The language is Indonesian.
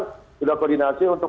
kita juga koordinasi untuk